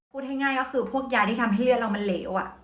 พูดง่ายก็คือพวกยาที่ทำให้เลือดเรามันเหลว